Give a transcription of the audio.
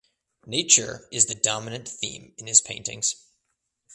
Nature is the dominant theme in his paintings.